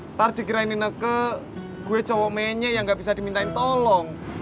ntar dikirainin neke gue cowok menye yang gak bisa dimintain tolong